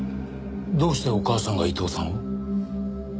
どうしてお母さんが伊藤さんを？